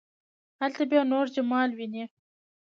هلته بیا نور جمال ويني.